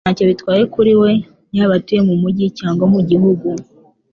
Ntacyo bitwaye kuri we yaba atuye mu mujyi cyangwa mu gihugu.